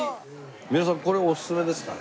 三浦さんこれおすすめですか？